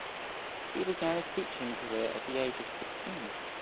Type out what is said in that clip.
He began his teaching career at the age of sixteen.